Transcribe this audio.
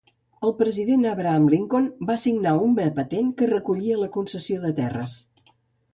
El president Abraham Lincoln va signar una patent que recollia la concessió de terres.